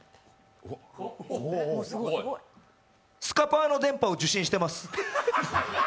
スカパー！の電波を受信してます。